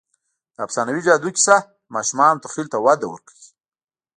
د افسانوي جادو کیسه د ماشومانو تخیل ته وده ورکوي.